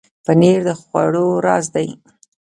پنېر د خوړو راز دی.